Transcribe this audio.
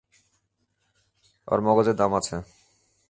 আমার মগজের দাম আছে।